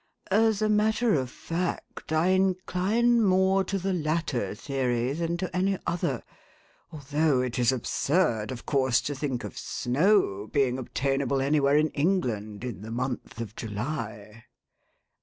As a matter of fact, I incline more to the latter theory than to any other, although it is absurd, of course, to think of snow being obtainable anywhere in England in the month of July."